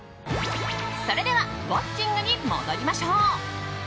それではウォッチングに戻りましょう。